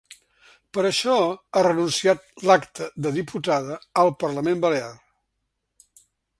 Per això, ha renunciat l’acte de diputada al parlament balear.